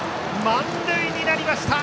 満塁になりました。